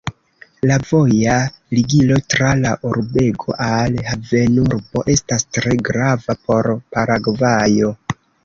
La voja ligilo tra la urbego al havenurbo estas tre grava por Paragvajo.